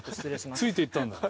ついていったんだよ